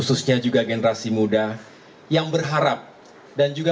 sebelum menutupi perjalanan kita